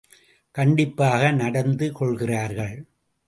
கண்டிப்பாக நடந்து கொள்கிறார்கள்.